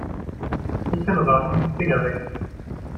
Ich kann nur raten: Finger weg!